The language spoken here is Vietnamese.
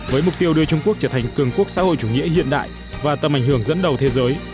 với mục tiêu đưa trung quốc trở thành cường quốc xã hội chủ nghĩa hiện đại và tầm ảnh hưởng dẫn đầu thế giới